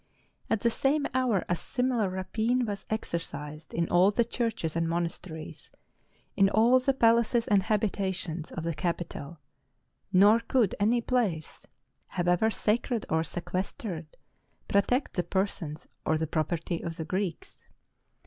At the same hour, a similar rapine 486 THE FALL OF CONSTANTINOPLE was exercised in all the churches and monasteries, in all the palaces and habitations, of the capital; nor could any place, however sacred or sequestered, protect the persons or the property of the Greeks.